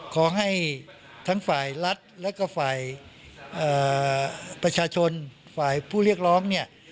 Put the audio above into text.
ขอให้ทั้งฝ่ายรัฐแล้วก็ฝ่ายประชาชนฝ่ายผู้เรียกร้องเนี่ย